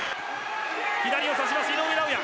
左を刺します井上尚弥。